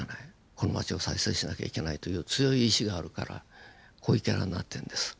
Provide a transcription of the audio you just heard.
この町を再生しなきゃいけないという強い意志があるから濃いキャラになってるんです。